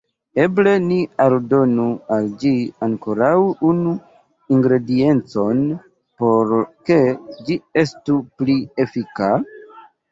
Eble ni aldonu al ĝi ankoraŭ unu ingrediencon, por ke ĝi estu pli efika?